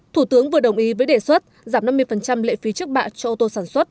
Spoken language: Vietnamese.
thủ tướng vừa đồng ý với đề xuất giảm năm mươi lệ phí trước bạ cho ô tô sản xuất